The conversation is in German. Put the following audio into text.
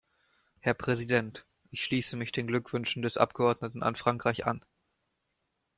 Herr Präsident, ich schließe mich den Glückwünschen des Abgeordneten an Frankreich an.